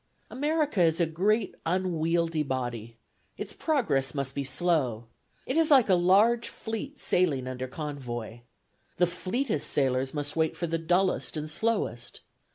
... "America is a great, unwieldy body. Its progress must be slow. It is like a large fleet sailing under convoy. The fleetest sailors must wait for the dullest and slowest.